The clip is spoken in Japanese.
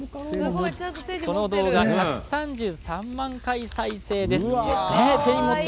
この動画、１３３万回再生です。